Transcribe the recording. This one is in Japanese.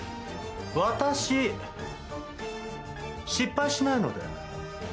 私、失敗しないので！